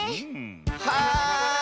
はい！